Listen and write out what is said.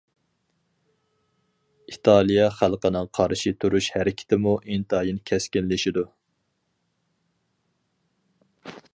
ئىتالىيە خەلقىنىڭ قارشى تۇرۇش ھەرىكىتىمۇ ئىنتايىن كەسكىنلىشىدۇ.